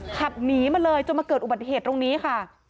ขับหนีมาเลยจนมาเกิดอุบัติเหตุตรงนี้ค่ะ